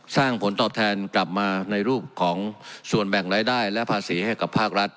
ผลตอบแทนกลับมาในรูปของส่วนแบ่งรายได้และภาษีให้กับภาครัฐ